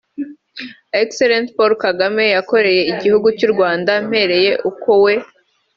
E Paul Kagame yakoreye igihugu cy'u Rwanda mpereye uko we